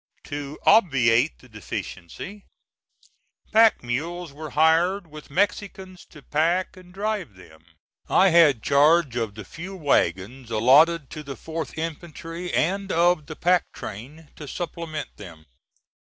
To obviate the deficiency, pack mules were hired, with Mexicans to pack and drive them. I had charge of the few wagons allotted to the 4th infantry and of the pack train to supplement them.